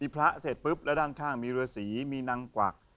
พระเสร็จปุ๊บแล้วด้านข้างมีเรือสีมีนางกวัก